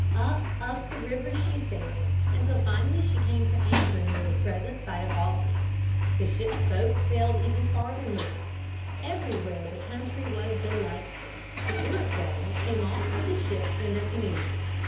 Up, up the river she sailed, until finally she came to anchor near the present site of Albany. The ship's boats sailed even farther north. Everywhere the country was delightful. The Iroquois came off to the ship in their canoes.